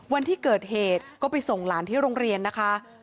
วันที่เกิดเหตุก็ไปส่งหลานที่โรงเรียนนะคะ